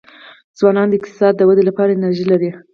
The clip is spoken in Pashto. ځوانان د اقتصاد د ودي لپاره انرژي لري.